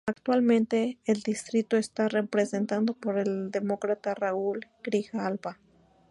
Actualmente el distrito está representado por el Demócrata Raúl Grijalva.